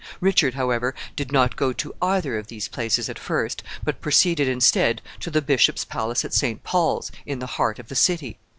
Richard, however, did not go to either of these places at first, but proceeded instead to the bishop's palace at St. Paul's, in the heart of the city.